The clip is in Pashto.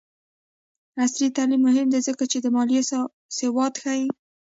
عصري تعلیم مهم دی ځکه چې د مالي سواد ښيي.